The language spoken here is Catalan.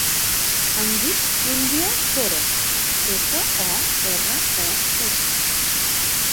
Em dic Índia Fores: efa, o, erra, e, essa.